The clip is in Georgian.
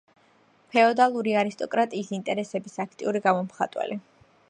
ფეოდალური არისტოკრატიის ინტერესების აქტიური გამომხატველი.